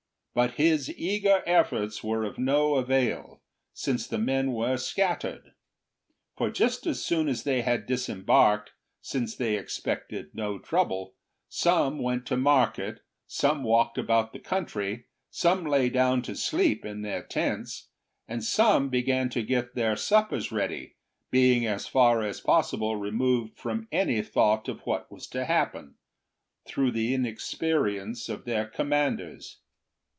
But his eager efforts were of no avail, since the men were scattered. For just as soon as they had disembarked, since they expected no trouble, some went to market, some walked about the country, some lay down to sleep in their tents, and some began to get their suppers ready, being as far as possible removed from any thought of what was to happen, through the inexperience of their commanders.